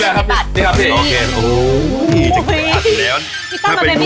เห็นไปดู